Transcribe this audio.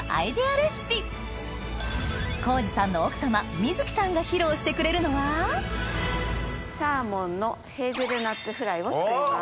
レシピ晃治さんの奥様瑞季さんが披露してくれるのはサーモンのヘーゼルナッツフライを作ります。